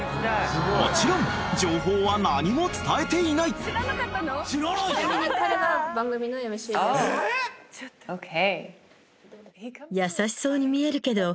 ［もちろん情報は何も伝えていない］ＯＫ。